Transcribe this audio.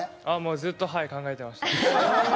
ずっと考えてました。